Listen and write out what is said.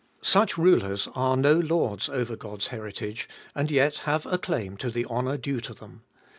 Such rulers are no lords over God's heritage, and yet have a claim to the honour due to them.